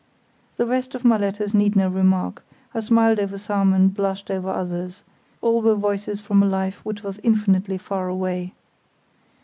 The rest of my letters need no remark; I smiled over some and blushed over others—all were voices from a life which was infinitely far away.